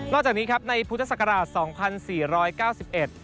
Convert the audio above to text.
นอกจากนี้ครับในพุทธศักราช๒๔๙๑